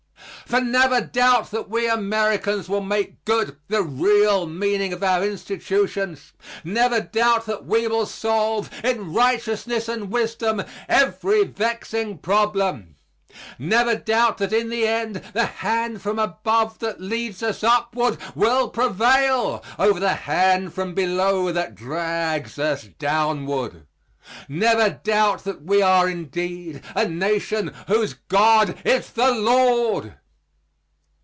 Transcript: For never doubt that we Americans will make good the real meaning of our institutions. Never doubt that we will solve, in righteousness and wisdom, every vexing problem. Never doubt that in the end, the hand from above that leads us upward will prevail over the hand from below that drags us downward. Never doubt that we are indeed a Nation whose God is the Lord.